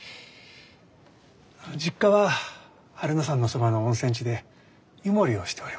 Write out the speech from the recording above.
実家は榛名山のそばの温泉地で湯守をしておりまして。